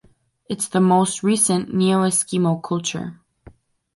It is the most recent "neo-Eskimo" culture.